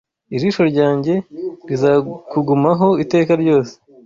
ijisho ryanjye rizakugumaho iteka ryose